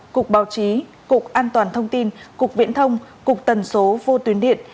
cục báo chí cục an toàn thông tin cục viễn thông cục tần số vô tuyến điện